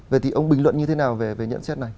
vậy thì ông bình luận như thế nào về nhận xét này